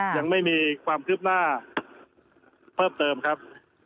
ยังไม่มีความคืบหน้าเพิ่มเติมครับ